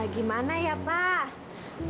gimana ya pak